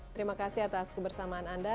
terima kasih atas kebersamaan anda